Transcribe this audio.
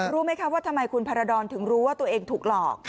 รู้ไหมคะว่าทำไมคุณพารดรถึงรู้ว่าตัวเองถูกหลอก